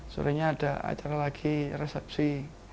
sorenya ada acara lagi resepsi